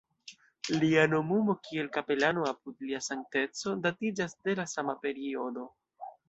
Lia nomumo kiel kapelano apud Lia Sankteco datiĝas de la sama periodo.